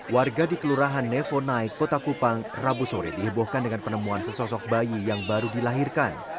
warga di kelurahan nevo naik kota kupang rabu sore dihebohkan dengan penemuan sesosok bayi yang baru dilahirkan